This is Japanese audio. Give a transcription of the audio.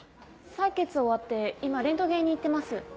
採血終わって今レントゲンに行ってます。